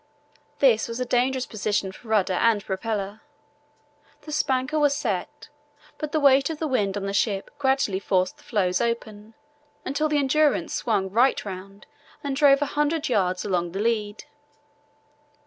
This was a dangerous position for rudder and propeller. The spanker was set, but the weight of the wind on the ship gradually forced the floes open until the Endurance swung right round and drove 100 yds. along the lead.